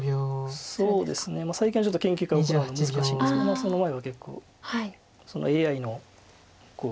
そうですね最近はちょっと研究会を行うのは難しいんですけどその前は結構ＡＩの打ち方を研究する。